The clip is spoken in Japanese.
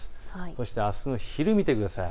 そしてあすの昼、見てください。